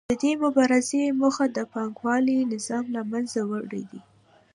د دې مبارزې موخه د پانګوالي نظام له منځه وړل دي